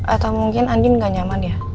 atau mungkin andi gak nyaman ya